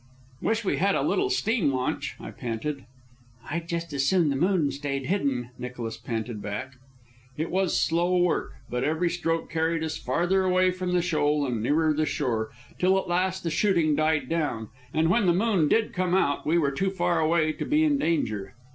"Wish we had a little steam launch," I panted. "I'd just as soon the moon stayed hidden," Nicholas panted back. It was slow work, but every stroke carried us farther away from the shoal and nearer the shore, till at last the shooting died down, and when the moon did come out we were too far away to be in danger.